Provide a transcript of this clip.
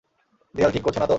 দেয়াল ঠিক করছো নাতো?